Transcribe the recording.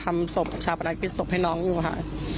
มีค่ะ